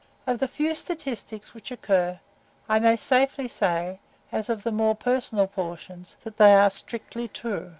Of the few statistics which occur, I may safely say, as of the more personal portions, that they are strictly true.